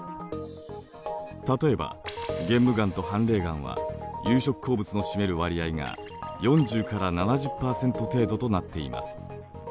例えば玄武岩とはんれい岩は有色鉱物の占める割合が４０から７０％程度となっています。